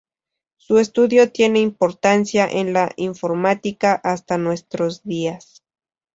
Su estudio tiene importancia en la informática hasta nuestros días.